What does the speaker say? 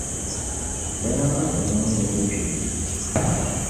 Lala ka ti niŋdili kpe.